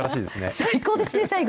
最高ですね、最後。